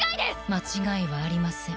間違いはありません。